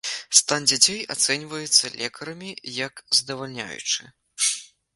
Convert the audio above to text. Стан дзяцей ацэньваецца лекарамі як здавальняючы.